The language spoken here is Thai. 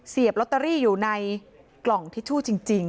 ลอตเตอรี่อยู่ในกล่องทิชชู่จริง